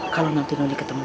kalau nanti nolik ketemu